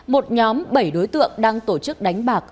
một nhóm bảy đối tượng đang tổ chức đánh bạc